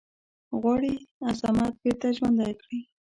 غواړي عظمت بیرته ژوندی کړی.